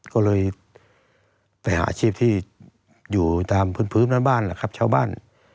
ก็เลยไปหาอาชีพที่อยู่ตามพื้นน้ำบ้านชาวบ้าน